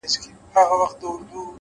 پوهه د انسان ستره شتمني ده؛